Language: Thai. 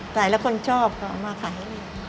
ใส่แล้วคนชอบก็เอามาขายให้นี่